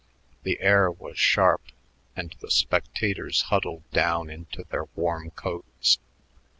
The air was sharp, and the spectators huddled down into their warm coats.